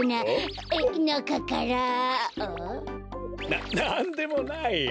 ななんでもないよ。